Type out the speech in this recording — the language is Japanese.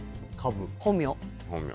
本名？